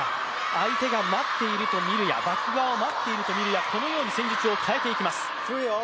相手が待っていると見るや、バック側を待っているとみるや、このように戦術を変えていきます。